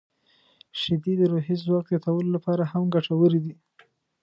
• شیدې د روحي ځواک زیاتولو لپاره هم ګټورې دي.